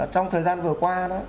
trong thời gian vừa qua đó